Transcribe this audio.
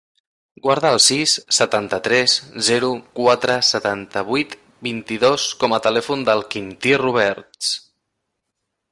Guarda el sis, setanta-tres, zero, quatre, setanta-vuit, vint-i-dos com a telèfon del Quintí Roberts.